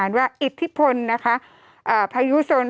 โทษทีน้องโทษทีน้อง